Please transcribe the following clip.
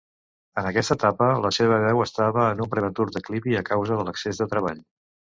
En aquesta etapa, la seva veu estava en un prematur declivi a causa de l'excés de treball.